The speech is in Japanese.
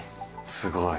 すごい！